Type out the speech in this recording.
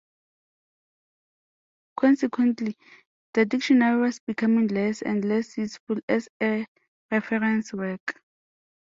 Consequently, the dictionary was becoming less and less useful as a reference work.